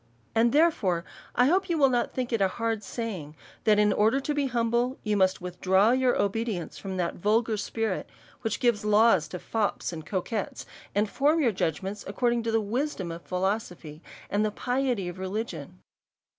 And, therefore, I hope you will not think it a hard saying, that in order to be humble, you must withdraw your obedience from that vulgar spirit which gives laws to fops and coquettes, and form your judgments according to the wisdom of philosophy, and the piety of religion.